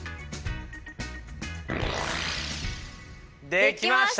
できました！